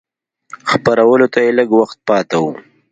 خپرولو ته یې لږ وخت پاته و.